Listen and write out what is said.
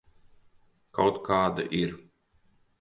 Kaut kāda ir.